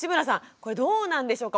これどうなんでしょうか。